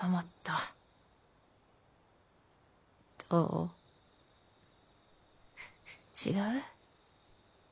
どう違う？